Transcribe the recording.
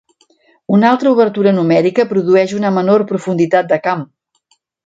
Una alta obertura numèrica produeix una menor profunditat de camp.